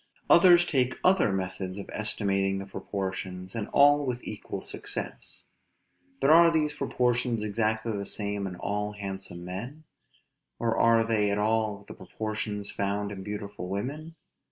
Others take other methods of estimating the proportions, and all with equal success. But are these proportions exactly the same in all handsome men? or are they at all the proportions found in beautiful women?